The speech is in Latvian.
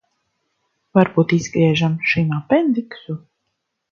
Varbūt izgriežam šim apendiksu?